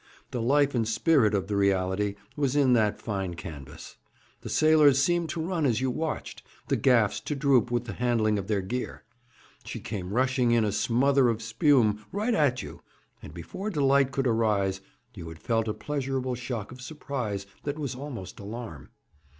The life and spirit of the reality was in that fine canvas. The sailors seemed to run as you watched, the gaffs to droop with the handling of their gear. She came rushing in a smother of spume right at you, and, before delight could arise, you had felt a pleasurable shock of surprise that was almost alarm.